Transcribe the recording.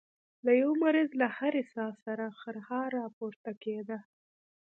د يوه مريض له هرې ساه سره خرهار راپورته کېده.